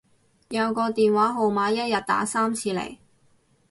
有個電話號碼一日打三次嚟